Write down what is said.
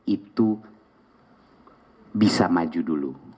itu bisa maju dulu